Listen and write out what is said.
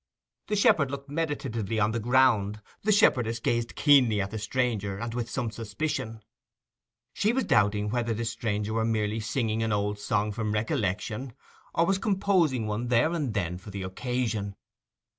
The shepherd looked meditatively on the ground, the shepherdess gazed keenly at the singer, and with some suspicion; she was doubting whether this stranger were merely singing an old song from recollection, or was composing one there and then for the occasion.